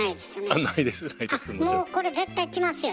あっもうこれ絶対きますよ